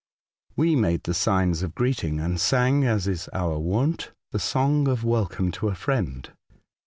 We made the signs of greeting and sang, as i^s our wont, the song of welcome to a friend.